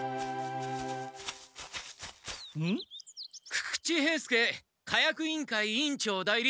久々知兵助火薬委員会委員長代理。